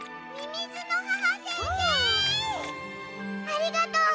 ありがとう。